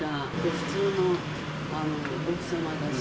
普通の奥様だし。